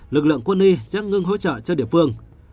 lực lượng quân y sẽ ngưng hỗ trợ cho địa phương